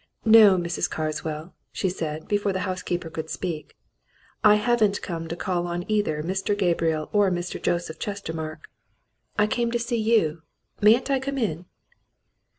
"No, Mrs. Carswell," she said, before the housekeeper could speak, "I haven't come to call on either Mr. Gabriel or Mr. Joseph Chestermarke I came to see you. Mayn't I come in?"